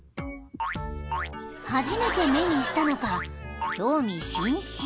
［初めて目にしたのか興味津々］